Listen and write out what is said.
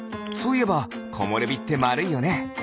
そういえばこもれびってまるいよね。